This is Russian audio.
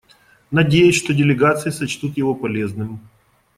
Надеюсь, что делегации сочтут его полезным.